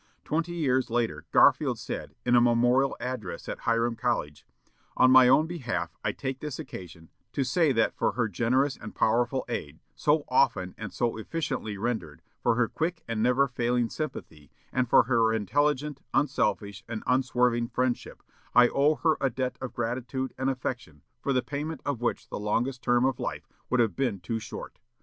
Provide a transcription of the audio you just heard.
Twenty years later, Garfield said, in a memorial address at Hiram College, "On my own behalf I take this occasion to say that for her generous and powerful aid, so often and so efficiently rendered, for her quick and never failing sympathy, and for her intelligent, unselfish, and unswerving friendship, I owe her a debt of gratitude and affection for the payment of which the longest term of life would have been too short....